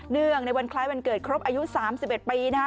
เนื่องในวันคล้ายวันเกิดครบอายุ๓๑ปีนะ